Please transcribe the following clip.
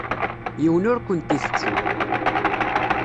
Yiwen ur kent-itettu.